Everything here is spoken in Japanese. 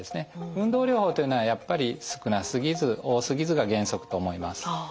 運動療法というのはやっぱり少なすぎず多すぎずが原則と思います。